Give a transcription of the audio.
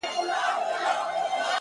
موږ په تيارو كي اوسېدلي يو تيارې خوښـوو؛